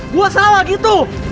gue salah gitu